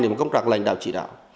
để công tác lãnh đạo trị đạo